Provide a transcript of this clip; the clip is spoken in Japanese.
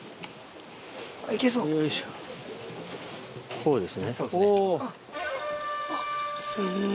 こうですねおぉ！